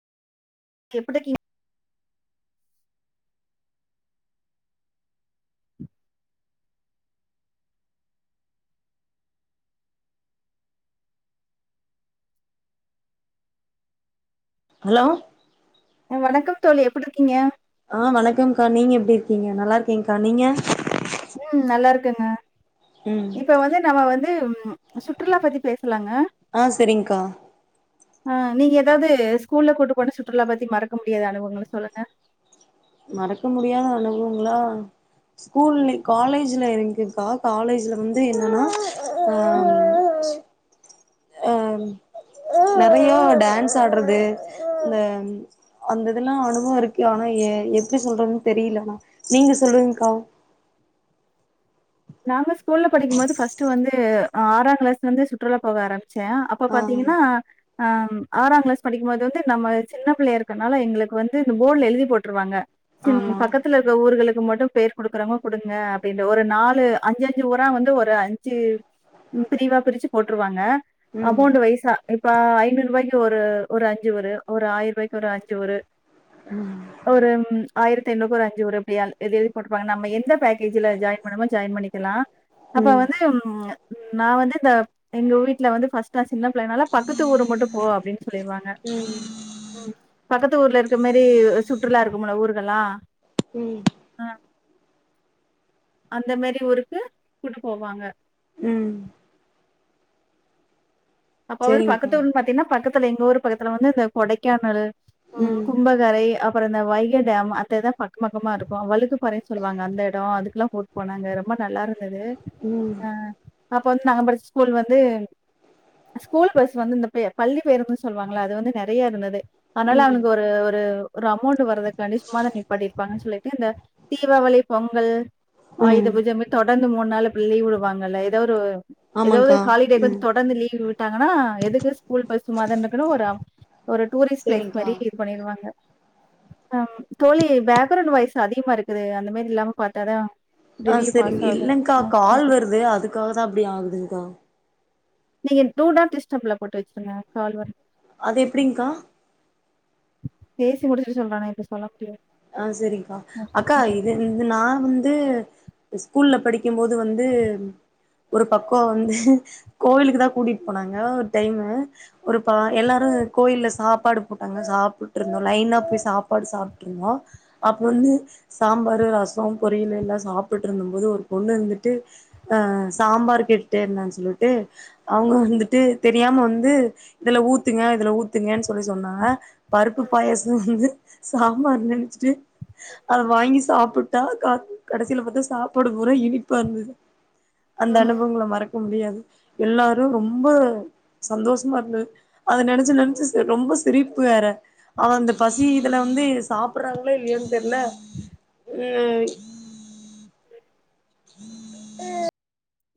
எப்டி இருக்கீங்க ஹலோ வணக்கம் தோழி எப்டி இருக்கீங்க ஆ வணக்கம்க்கா நீங்க எப்டி இருக்கீங்க நல்லா இருக்கேக்கா நீங்க ம் நல்லா இருக்கேங்க ம் இப்ப வந்து நம்ம வந்து சுற்றுலா பத்தி பேசலாங்க ஆ சரிங்க்கா ஆ நீங்க ஏதாவது ஸ்கூல்ல கூட்டு போன சுற்றுலா பத்தி மறக்க முடியாத அனுபவங்கள சொல்லுங்க மறக்க முடியாத அனுபங்களா ஸ்கூல்ல காலேஜ்ல இருக்குக்கா காலேஜ்ல வந்து என்னன்னா ஆ அ நெறையா டான்ஸ் ஆடுறது இந்த அந்தெல்லா அனுபவ இருக்கு ஆனா எ எப்டி சொல்றது தெரியல ஆனா நீங்க சொல்லுங்க்கா நாங்க ஸ்கூல்ல படிக்கும் போது ஃபர்ஸ்ட்டு வந்து ஆறா க்ளாஸ்ல இருந்து சுற்றுலா போக ஆரம்பிச்சே அ ப்ப ஆ பாத்தீங்கன்னா ஆம் ஆறா க்ளாஸ் படிக்கும்போது வந்து நம்ம சின்ன பிள்ளைய இருக்கனால எங்களுக்கு வந்து இந்த போர்ட்ல எழுதி போட்ருவாங்க சின் ஆமா பக்கத்துல இருக்க ஊர்களுக்கு மட்டு பேர் குடுக்குறவுங்க குடுங்க அப்படின்ற ஒரு நால் லு அஞ்ச அஞ்சு ஊரா வந்து ஒரு அஞ்சு பிரிவா பிரிச்சு போட்ருவாங்க ம் அமௌண்டு வைசா இப்ப ஐநூறு ரூபாய்க்கு ஒரு ஒரு அஞ்சு வரு ஒரு ஆயிரூபாய்க்கு ஒரு அஞ்சு ஒரு ஒரு ஆயிரத் எண்ண அஞ்சூ ஊரு அப்படியா எதே போட்ருப்பாங்க ந எந்த பேக்கேஜ்ல ஜா ஜாயின் பண்ணிக்கலா அப்ப ம் வந்து நா வந்து இந்த எங்க வீட்ல வந்து ஃபஸ்ட் நா சின்ன பிள்ளைனால பக்கத்து ஊர் மட்டும் போக அப்படின்னு சொல்லிருவாங்க ம் பக்கத்து ஊர்ல இருக்க மாரி சுற்றுலா இருக்கும்ல ஊர்கல்லா ம் அந்த மாரி ஊருக்கு கூட்டு போவாங்க ம் அப்ப வந்து செரிங்க்கா பக்கத்ததூர் பாத்தீங்கன்னா பக்கத்துல எங்க ஊரு பக்கத்துல வந்து இந்த கொடைக்கானல் உ ம் கும்ப கரை அப்பற இந்த வைகை டேம் அந்ததா பக்கம் பக்கமா இருக்கு வழுக்குப்பாறை சொல்லுவாங்க அந்த எட அதுக்குலா [unintelligible] போனாங்க ரொம்ப நல்லா இருந்தது ம் அ அப்ப வந்து நாங்க படிச்ச ஸ்கூல் வந்து ஸ்கூல் பஸ் வந்து இந்த பே பள்ளி பேருந்துன்னு சொல்லுவாங்களா அது வந்து நெறையா இருந்தது அதனால ம் அவனுக்கு ஒரு ஒரு ஒரு அமௌண்ட் வருது கணிசமாத நிப்பாடி இருப்பாங்கன்னு சொல்லிட்டு இந்த தீபாவளி பொங்கல் ஆயத ம் பூஜ இந்மாரி தொடந்து மூண் நாள் இப்ப லீவ் விடுவாங்கல்ல எதோ ஒரு எதாவ்து ஆமாக்கா ஹாலிடேக் வந்து ம் தொடந்து லீவ் வி ட்டாங்கன்னா எதுக்கு ஸ்கூல் பஸ் சும்மாதானகுது ஒரு ஒரு டூரிஸ் ப்ளேஸ் செரிங்க்கா மாரி இரு பண்ணிருவாங்க அம் தோழி பேக்ரவுண்ட் வாய்ஸ் அதிகமா இருக்குது அந்த மாரி இல்லாம பாத்தாதா ஆ செரிங் இல்லங்க்கா கால் வருது அதுக்காகதா அப்டி ஆகுதுங்க்கா நீங்க டூ நாட் டிஸ்டப்ல போட்டு வெச்சருங்க கால் வ அது எப்படிங்க்கா? பேசி முடிச்சிட்டு சொல்றனே இப்ப சொல்ல முடியாது ஆ செரிங்கா அக்கா இது இந்து நா வந்து ஸ்கூல்ல படிக்கும்போது வந்து ஒரு பக்கோ வந்து கோவிலுக்குதா கூட்டிட் போனாங்க ஒரு டைமு ஒரு பா எல்லாரு கோயில்ல சாப்பாடு போட்டாங்க சாப்புட்ருந்தோ லைனா போய் சாப்பாடு சாப்ட்ருந்தோ அப்ப வந்து சாம்பாரு ரசோ பொரியல் எல்லா சாப்பிட்ருந்தபோது ஒரு பொண்ணு இந்துட்டு அ சாம்பார் கேட்டுட்டே இருந்தான் சொல்லிட்டு அவுங்க வந்துட்டு தெரியாம வந்து இதுல ஊத்துங்க இதுல ஊ த்துங்கன் சொல்லி சொன்னாங்க பருப்பு பாயசோ வந்து சாம்பார் நெனச்சிட்டு அத வாங்கி சாப்பிட்டா கா கடசில பாத்தா சாப்பாடு ரே இனிப்பா இருந்தது அந்த அனுபவங்கள மறக்க முடியாது எல்லாரு ரொம்ப சந்தோஷமா இருந்தது அத நெனச்சு நென்ச்சு ச ரொம்ப சிரிப்பு வேற அவ அந்த பசி இதுல வந்து சாப்பட்றாங்ளோ இல்லயோன் தெர்ல உ உம்